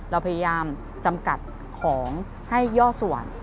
เราพยายามจำกัดของให้ย่อส่วน